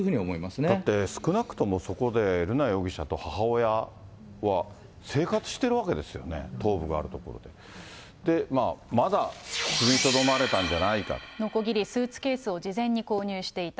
だって少なくともそこで、瑠奈容疑者と母親は生活してるわけですよね、頭部がある所で。のこぎり、スーツケースを事前に購入していた。